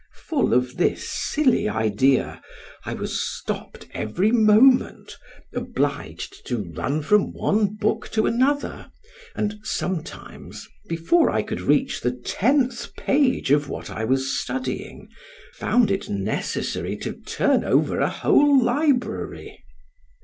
Full of this silly idea, I was stopped every moment, obliged to run from one book to another, and sometimes, before I could reach the tenth page of what I was studying, found it necessary to turn over a whole library.